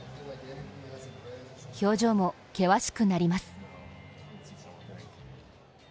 表情も険しくなります。